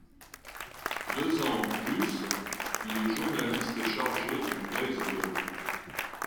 Deux ans plus, il est journaliste chargé du baseball.